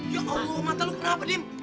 ya allah mata lo kenapa dim